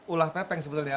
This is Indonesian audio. ulah pepeng sebenarnya